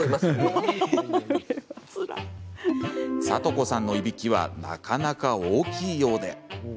サトコさんのいびきはなかなか大きいようで。